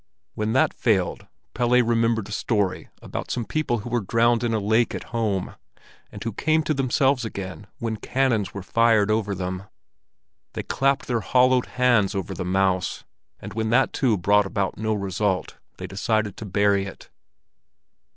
When that failed, Pelle remembered a story about some people who were drowned in a lake at home, and who came to themselves again when cannons were fired over them. They clapped their hollowed hands over the mouse, and when that too brought about no result, they decided to bury it.